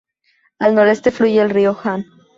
Al noroeste fluye el Río Han.